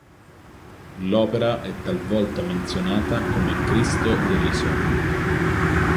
L'opera è talvolta menzionata come "Cristo deriso".